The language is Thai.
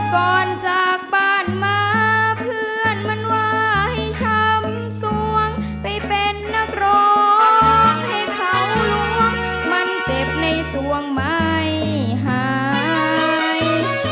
ก่อนจากบ้านมาเพื่อนมันว่าให้ช้ำสวงไปเป็นนักร้องให้เขาล้วงมันเจ็บในสวงไม่หาย